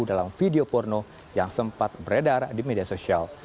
dalam video porno yang sempat beredar di media sosial